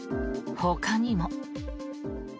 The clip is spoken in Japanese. ほかにも。